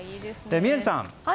宮司さん